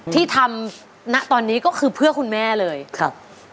ที่ทำณตอนนี้ก็คือเพื่อคุณแม่เลยครับ